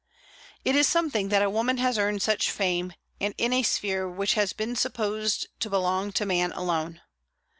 It is something that a woman has earned such a fame, and in a sphere which has been supposed to belong to man alone.